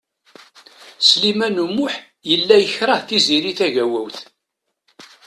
Sliman U Muḥ yella yekreh Tiziri Tagawawt.